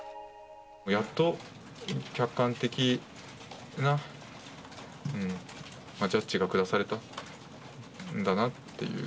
やっと客観的なジャッジが下されたんだなという。